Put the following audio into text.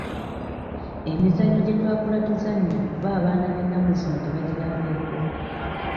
Emizannyo gye twakula tuzannya bbo abaana b'ennaku zino tebagirabyeko.